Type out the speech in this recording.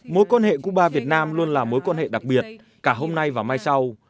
mối quan hệ cuba việt nam luôn là mối quan hệ đặc biệt cả hôm nay và mai sau